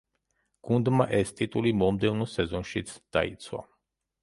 გუნდმა ეს ტიტული მომდევნო სეზონშიც დაიცვა.